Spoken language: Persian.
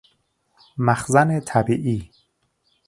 مخزن طبیعی